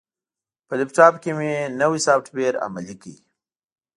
په لپټاپ کې مې نوی سافټویر عملي کړ.